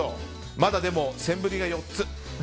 まだセンブリが４つ。